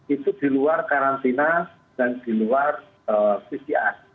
itu di luar karantina dan di luar pcr